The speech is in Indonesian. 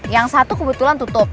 yang satu kebetulan tutup